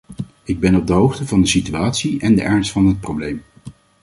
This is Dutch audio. Ik ben op de hoogte van de situatie en de ernst van het probleem.